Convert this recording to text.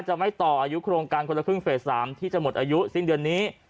จะไม่ต่ออายุโครงการคนละครึ่งเฟส๓ที่จะหมดอายุสิ้นเดือนนี้